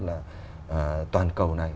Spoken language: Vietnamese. là toàn cầu này